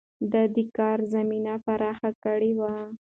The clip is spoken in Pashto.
ده د کار زمينه پراخه کړې وه.